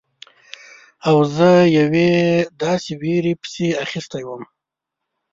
او زه یوې داسې ویرې پسې اخیستی وم.